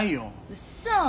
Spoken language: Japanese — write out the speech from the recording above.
うっそ。